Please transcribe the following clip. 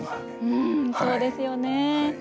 うんそうですよね。